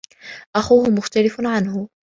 أخوه مختلف عنه.